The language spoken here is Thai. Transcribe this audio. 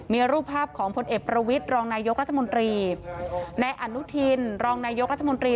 มีรูปภาพของพลเอกประวิทย์รองนายกรัฐมนตรีในอนุทินรองนายกรัฐมนตรี